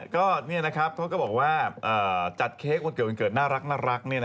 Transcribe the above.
ก็นี่นะครับเขาก็บอกว่าจัดเค้กวันเกิดวันเกิดน่ารัก